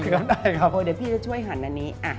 เดี๋ยวพี่จะช่วยหันอันนี้